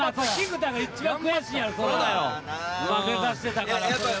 目指してたからそれは。